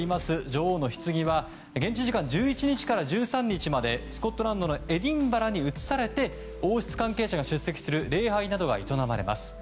女王のひつぎは現地時間１１日から１３日までスコットランドのエディンバラに移されて、王室関係者が出席する礼拝などが営まれます。